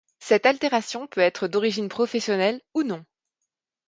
Cette altération peut être d'origine professionnelle ou non.